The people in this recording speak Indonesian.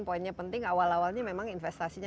poinnya penting awal awalnya memang investasinya